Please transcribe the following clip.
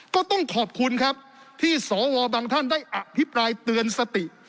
ก็ต้องขอบคุณครับที่สวบางท่านได้อภิปรายเตือนสติ